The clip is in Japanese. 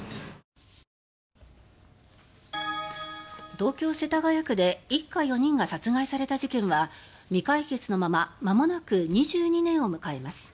東京・世田谷区で一家４人が殺害された事件は未解決のまままもなく２２年を迎えます。